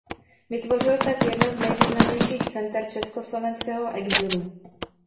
Vytvořil tak jedno z nejvýznamnějších center československého exilu.